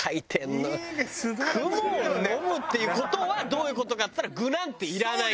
「雲を呑む」っていう事はどういう事かっつったら具なんていらない。